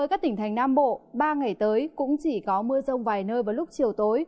các tỉnh thành nam bộ ba ngày tới cũng chỉ có mưa rông vài nơi vào lúc chiều tối